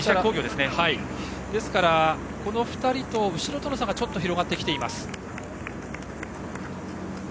ですからこの２人と後ろとの差がちょっと広がってきています。